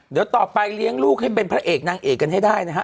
เดี๋ยวต่อไปเลี้ยงลูกให้เป็นพระเอกนางเอกกันให้ได้นะฮะ